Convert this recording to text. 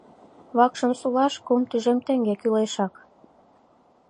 Вакшым сулаш кум тӱжем теҥге кӱлешак...